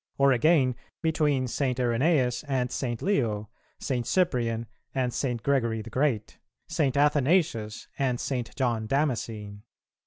or again, between St. Irenæus and St. Leo, St. Cyprian and St. Gregory the Great, St. Athanasius and St. John Damascene?